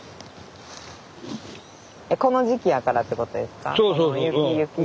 この時期やからってことですか？